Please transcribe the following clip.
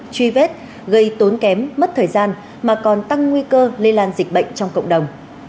truy vết gây tốn kém mất thời gian mà còn tăng nguy cơ lây lan dịch bệnh trong cộng đồng